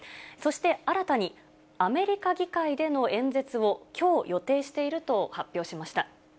そして新たに、アメリカ議会での演説をきょう予定していると発表しました。